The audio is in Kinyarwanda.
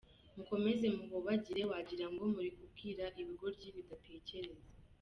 Mukomeze muhobagire wagirango murikubwira ibigoryi bidatekereza.